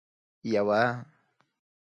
یوه